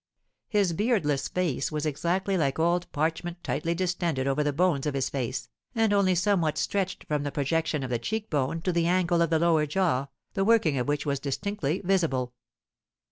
His beardless face was exactly like old parchment tightly distended over the bones of his face, and only somewhat stretched from the projection of the cheek bone to the angle of the lower jaw, the working of which was distinctly visible.